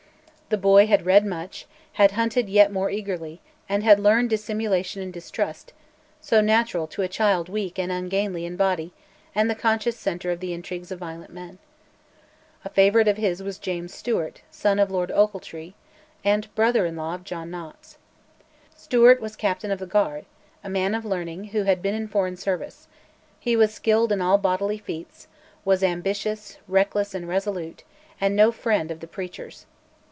The boy had read much, had hunted yet more eagerly, and had learned dissimulation and distrust, so natural to a child weak and ungainly in body and the conscious centre of the intrigues of violent men. A favourite of his was James Stewart, son of Lord Ochiltree, and brother in law of John Knox. Stewart was Captain of the Guard, a man of learning, who had been in foreign service; he was skilled in all bodily feats, was ambitious, reckless, and resolute, and no friend of the preachers.